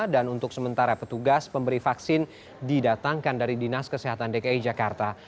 dan untuk sementara petugas pemberi vaksin didatangkan dari dinas kesehatan dki jakarta